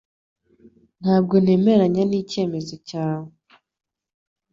Ntabwo nemeranya nicyemezo cyawe